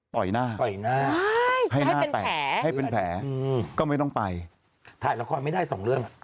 หน้าต่อยหน้าให้หน้าแตกให้เป็นแผลก็ไม่ต้องไปถ่ายละครไม่ได้สองเรื่อง